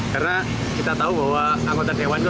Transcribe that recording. karena kita tahu bahwa anggota dewan itu